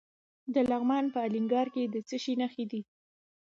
د لغمان په الینګار کې د څه شي نښې دي؟